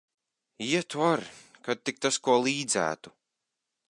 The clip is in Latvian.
Ietu ar, kad tik tas ko līdzētu.